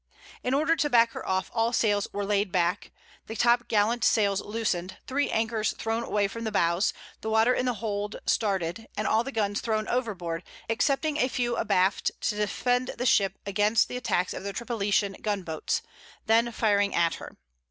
In order to back her off, all sails were laid aback; the top gallant sails loosened; three anchors thrown away from the bows; the water in the hold started; and all the guns thrown overboard, excepting a few abaft to defend the ship against the attacks of the Tripolitan gun boats, then firing at her.